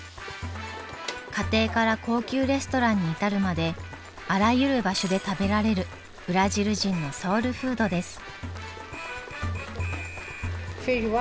家庭から高級レストランに至るまであらゆる場所で食べられるブラジル人のソウルフードです。